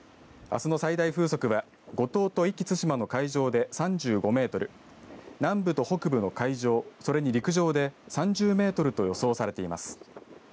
あすの最大風速は五島と壱岐・対馬の海上で３５メートル、南部と北部の海上、それに陸上で３０メートルと予想されています。